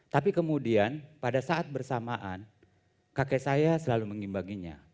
tapi kemudian pada saat bersamaan kakek saya selalu mengimbanginya